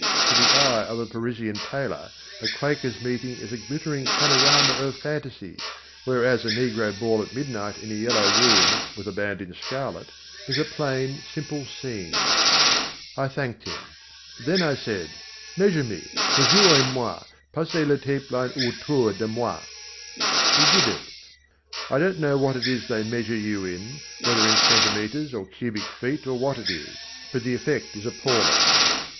To the eye of a Parisian tailor, a Quakers' meeting is a glittering panorama of fantaisies, whereas a negro ball at midnight in a yellow room with a band in scarlet, is a plain, simple scene. I thanked him. Then I said: "Measure me, mesurez moi, passez le tape line autour de moi." He did it. I don't know what it is they measure you in, whether in centimètres or cubic feet or what it is. But the effect is appalling.